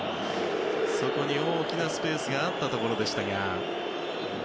そこに大きなスペースがあったところでしたが。